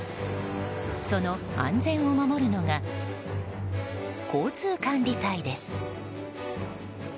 その安全を守るのが交通管理隊です。